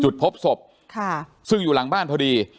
พบศพซึ่งอยู่หลังบ้านพอดี